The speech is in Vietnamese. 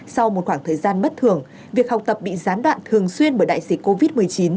sau một khoảng thời gian bất thường việc học tập bị gián đoạn thường xuyên bởi đại dịch covid một mươi chín